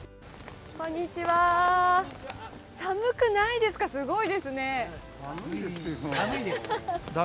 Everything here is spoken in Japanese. こんにちは、寒くないですか、すごいですね。